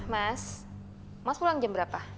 mas mas pulang jam berapa